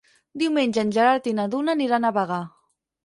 Diumenge en Gerard i na Duna aniran a Bagà.